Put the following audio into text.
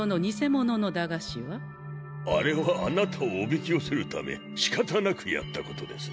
あれはあなたをおびき寄せるためしかたなくやったことです。